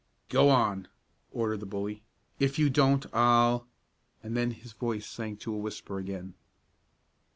"Go on!" ordered the bully. "If you don't, I'll " and then his voice sank to a whisper again.